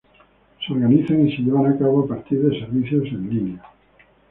Se organizan y se llevan a cabo a partir de servicios en linea.